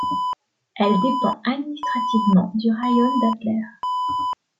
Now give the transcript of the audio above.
Elle dépend administrativement du raïon d'Adler.